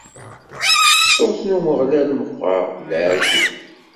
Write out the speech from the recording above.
Ṣṣut n Umeɣlal meqqer, d leɛǧeb.